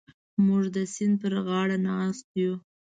موږ د سیند پر غاړه ناست یو.